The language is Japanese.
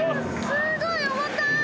すごい重たい！